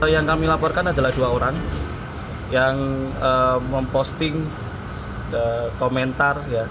yang kami laporkan adalah dua orang yang memposting komentar